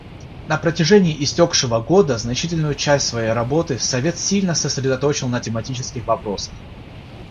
На протяжении истекшего года значительную часть своей работы Совет сильно сосредоточил на тематических вопросах.